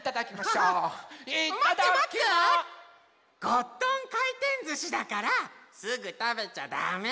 ゴットンかいてんずしだからすぐたべちゃダメ！